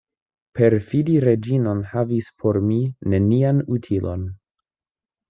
Perfidi Reĝinon havis por mi nenian utilon.